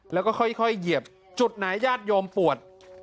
แล้วก็ค่อยเหยียบจุดไหนญาติโยมปวด